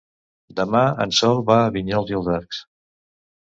Demà en Sol va a Vinyols i els Arcs.